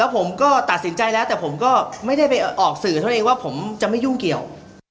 ผมตัดสินใจแล้วแต่ผมก็ไม่ได้ออกสื่อว่าผมก็ไม่จะยุ่งเกี่ยว